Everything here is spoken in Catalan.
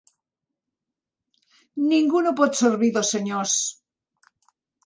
Ningú no pot servir dos senyors.